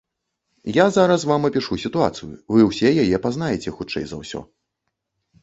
Я зараз вам апішу сітуацыю, вы ўсе яе пазнаеце, хутчэй за ўсё.